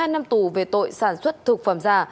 một mươi hai năm tù về tội sản xuất thực phẩm giả